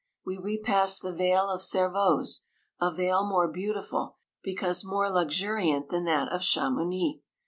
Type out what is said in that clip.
We repassed the vale of Servoz, a vale more beauti ful, because more luxuriant, than that of Chamouni.